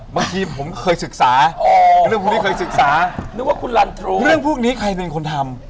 บางทีผมเคยศึกษาเรื่องพวกนี้เคยศึกษานึกว่าคุณลันทรูเรื่องพวกนี้ใครเป็นคนทำ